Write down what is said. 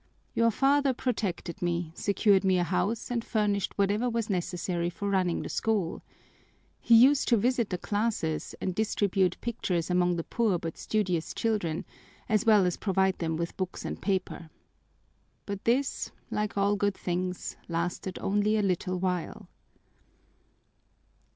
Your father protected me, secured me a house, and furnished whatever was necessary for running the school. He used to visit the classes and distribute pictures among the poor but studious children, as well as provide them with books and paper. But this, like all good things, lasted only a little while."